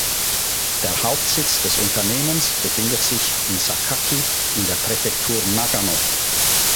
Der Hauptsitz des Unternehmens befindet sich in Sakaki in der Präfektur Nagano.